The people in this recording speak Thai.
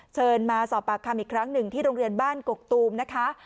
เชิญมาสอบปากคำอีกครั้งหนึ่งที่โรงเรียนบ้านกกตูมนะคะ